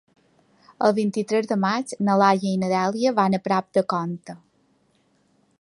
El vint-i-tres de maig na Laia i na Dèlia van a Prat de Comte.